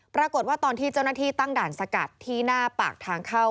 ปรากฏว่าตอนที่เจ้าหน้าที่ตั้งด่านสกัดที่หน้าปากทางเข้า